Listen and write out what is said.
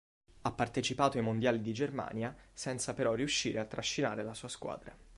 Ha partecipato ai Mondiali di Germania senza però riuscire a trascinare la sua squadra.